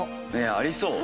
ありそう。